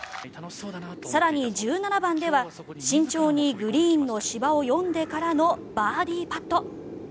更に１７番では慎重にグリーンの芝を読んでからのバーディーパット。